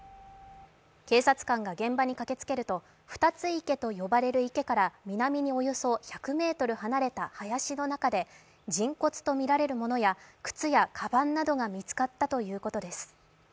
警察官が現場に駆けつけるとふたつ池と呼ばれる池から南におよそ１００ｍ離れた林の中で人骨とみられるものや靴やかばんなどが見つかったということです。